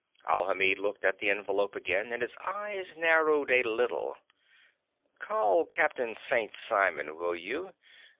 Alhamid looked at the envelope again, and his eyes narrowed a little. "Call Captain St. Simon, will you?